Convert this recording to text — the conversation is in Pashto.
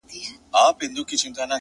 د خپل ژوند عکس ته گوري؛